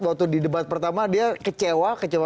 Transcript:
waktu di debat pertama dia kecewa kecewa